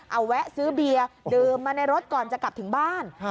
เอาแวะซื้อเบียร์ดื่มมาในรถก่อนจะกลับถึงบ้าน